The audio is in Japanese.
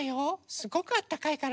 すごくあったかいから。